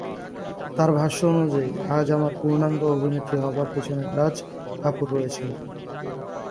তার ভাষ্য অনুযায়ী, আজ আমার পূর্ণাঙ্গ অভিনেত্রী হবার পেছনে রাজ কাপুর রয়েছেন।